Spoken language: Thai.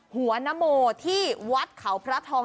หัวนโมที่วัดเขาพระทอง